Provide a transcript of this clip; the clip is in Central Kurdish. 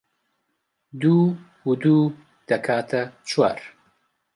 دوو و دوو دەکاتە چوار